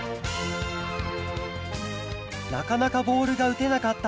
なかなかボールがうてなかった